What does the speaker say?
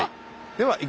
はい。